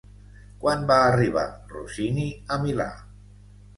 Quan va arribar Rossini a Milà?